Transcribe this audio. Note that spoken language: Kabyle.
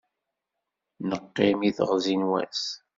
Neqqim i teɣzi n wass.